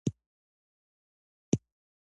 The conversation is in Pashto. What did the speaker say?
بیا یې څوک جګړې ته نه شي مجبورولای.